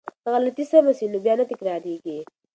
که غلطی سمه شي نو بیا نه تکراریږي.